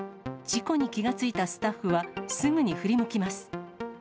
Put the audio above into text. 事故に気が付いたスタッフは、すぐに振り向きます。